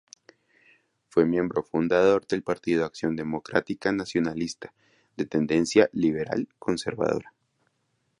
Fue miembro fundador del partido Acción Democrática Nacionalista, de tendencia liberal-conservadora.